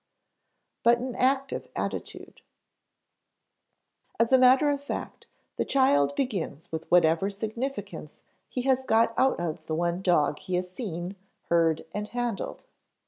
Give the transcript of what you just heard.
[Sidenote: but an active attitude] As a matter of fact, the child begins with whatever significance he has got out of the one dog he has seen, heard, and handled.